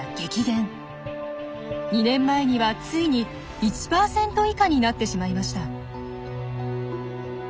２年前にはついに１％以下になってしまいました。